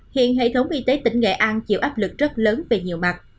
hiện hệ thống y tế tỉnh nghệ an chịu áp lực rất lớn về nhiều mặt